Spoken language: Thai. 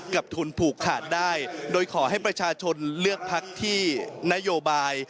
กับทุนผูกขาดได้โดยขอให้ประชาชนเลือกพักที่นโยบาย